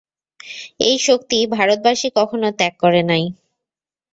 এই শক্তি ভারতবাসী কখনও ত্যাগ করে নাই।